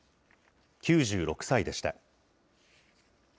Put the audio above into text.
９６歳でした。